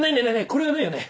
これはないよね！